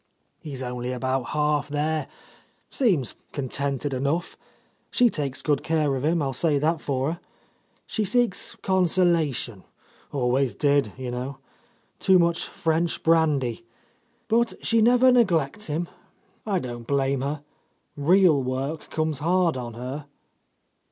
"He's only about half there ,.. seems con tented enough. ... She takes good care of him. I'll say that for her. ... She seeks consolation, always did, you know ... too much French brandy ... but she never neglects him. I don't blame her. Real work comes hard on her."